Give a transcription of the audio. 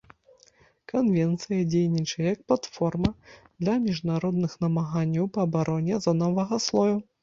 Канвенцыя дзейнічае як платформа для міжнародных намаганняў па абароне азонавага слою.